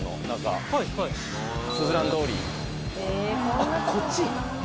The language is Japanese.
あっこっち？